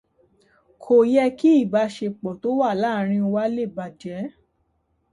Kò yẹ kí ìbáṣepọ̀ tó wà láàárín wa le bàjẹ́